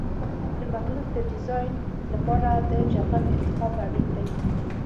د مخلوط د ډیزاین لپاره د جغل انتخاب اړین دی